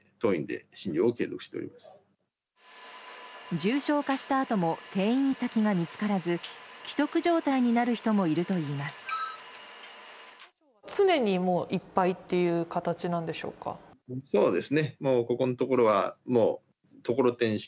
重症化したあとも転院先が見つからず危篤状態になる人もいるといいます。